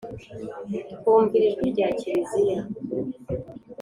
twumvira ijwi rya Kiriziya